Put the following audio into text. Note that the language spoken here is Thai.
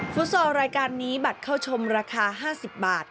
ฟุตซอลรายการนี้บัตรเข้าชมราคา๕๐บาท